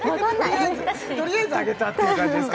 とりあえず上げたっていう感じですか？